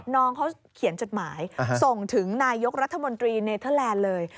น้องเขาเขียนจดหมายส่งถึงนายกรัฐมนตรีเนเทอร์แลนด์เลย